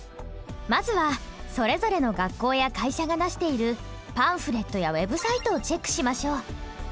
まずはそれぞれの学校や会社が出しているパンフレットやウェブサイトをチェックしましょう。